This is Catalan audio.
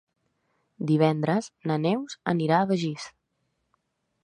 Divendres na Neus anirà a Begís.